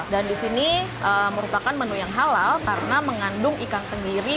dan di sini merupakan menu yang halal karena mengandung ikan tenggiri